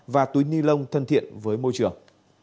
và túi ni lông thân thiện với môi trường